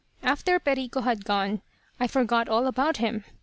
"After Perico had gone, I forgot all about him.